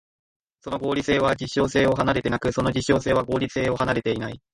その合理性は実証性を離れてなく、その実証性は合理性を離れてない。